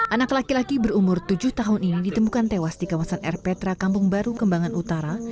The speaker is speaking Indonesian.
anak laki laki berumur tujuh tahun ini ditemukan tewas di kawasan erpetra kampung baru kembangan utara